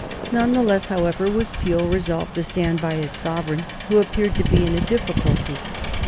None the less, however, was Peel resolved to stand by his sovereign, who appeared to be in a difficulty.